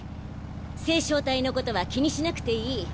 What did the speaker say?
星漿体のことは気にしなくていい。